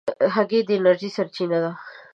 هګۍ د انرژۍ سرچینه ده.